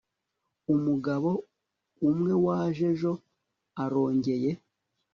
Umugabo umwe waje ejo arongeye